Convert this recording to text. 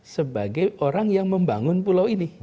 sebagai orang yang membangun pulau ini